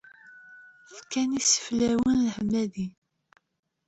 Fkan iseflawen n leḥmadi.